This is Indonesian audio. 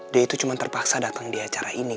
dia itu cuma terpaksa datang di acara ini